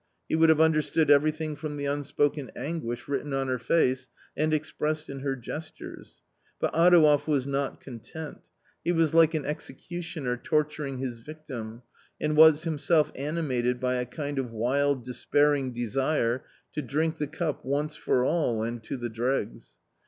He would have understood everything from the unspoken anguish written on her face and ex pressed in her gestures. But Adouev was not content He was like an executioner torturing his victim, and was himself animated by a kind of wild despairing desire to drink the cup once for all and to the dregs.